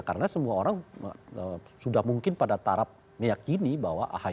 karena semua orang sudah mungkin pada tarap meyakini bahwa ahi ini akan berhasil